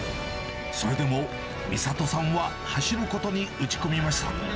それでも、美里さんは走ることに打ち込みました。